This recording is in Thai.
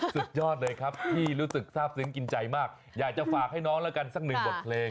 สุดยอดเลยครับที่รู้สึกทราบซึ้งกินใจมากอยากจะฝากให้น้องแล้วกันสักหนึ่งบทเพลง